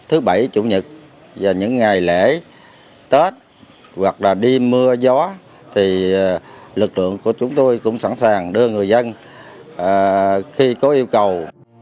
thứ bảy chủ nhật và những ngày lễ tết hoặc là đêm mưa gió thì lực lượng của chúng tôi cũng sẵn sàng đưa người dân khi có yêu cầu